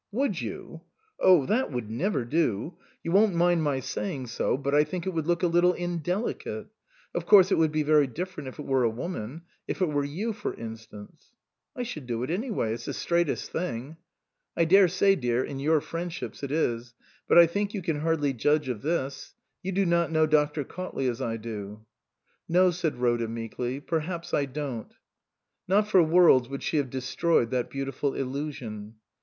" Would you ? Oh, that would never do. You won't mind my saying so, but I think it would look a little indelicate. Of course it would be very different if it were a woman ; if it were you for instance." " I should do it any way. It's the straightest thing." "I daresay, dear, in your friendships it is. But I think you can hardly judge of this. You do not know Dr. Cautley as I do." "No," said Rhoda meekly, "perhaps I don't." Not for worlds would she have destroyed that beautiful illusion.